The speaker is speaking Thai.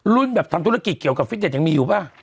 แบบทำธุรกิจเกี่ยวกับฟิตเต็ยังมีอยู่ป่ะ